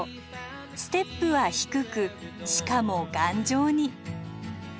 ステップは低くしかも頑丈に。